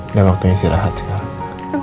udah waktunya isi rahat sekarang